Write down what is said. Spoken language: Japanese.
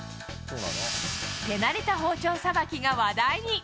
手慣れた包丁さばきが話題に。